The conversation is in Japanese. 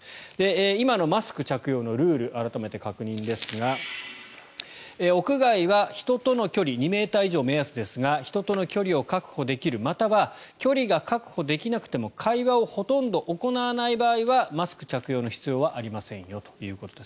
今のマスク着用のルール改めて確認ですが屋外は人との距離２ｍ以上目安ですが人との距離を確保できるまたは距離が確保できなくても会話をほとんど行わない場合はマスク着用の必要はありませんよということです。